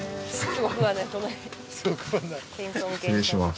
失礼します